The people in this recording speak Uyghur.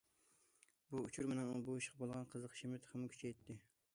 بۇ ئۇچۇر مېنىڭ بۇ ئىشقا بولغان قىزىقىشىمنى تېخىمۇ كۈچەيتتى.